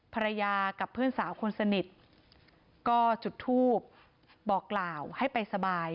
ภรรยากับเพื่อนสาวคนสนิทก็จุดทูบบอกกล่าวให้ไปสบาย